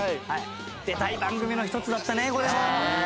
出たい番組の一つだったねこれも。